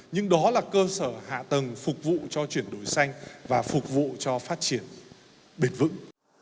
nhưng đó là cơ sở hạ tầng phục vụ cho chuyển đổi xanh và phục vụ cho phát triển bền vững